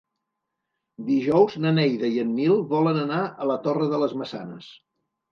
Dijous na Neida i en Nil volen anar a la Torre de les Maçanes.